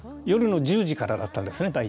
夜の１０時からだったんですね